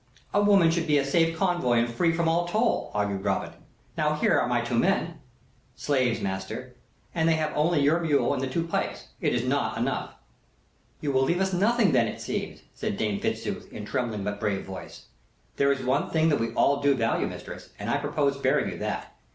"A woman should be a safe convoy and free from all toll," argued Robin. "Now here are my two men." "Slaves, master; and they have only your mule and the two pikes. It is not enough." "You will leave us nothing then, it seems," said Dame Fitzooth, in trembling but brave voice. "There is one thing that we all do value, mistress, and I purpose sparing you that.